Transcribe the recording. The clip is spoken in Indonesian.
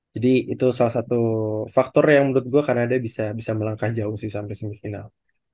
jadi itu salah satu faktor yang menurut gue kanada bisa bisa melangkah jauh sih sampai semis final